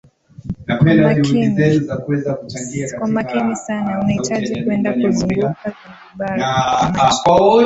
Kwa makini sana unahitaji kwenda kuzunguka Zanzibar kwa maji